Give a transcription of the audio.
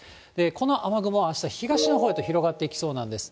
この雨雲、あした東のほうへと広がっていきそうなんです。